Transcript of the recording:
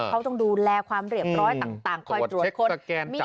เขาต้องดูแลความเรียบร้อยต่างคอยตรวจค้น